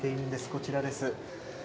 こちらです。